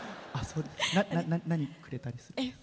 何くれたりするんですか？